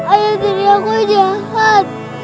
ayah diri aku jahat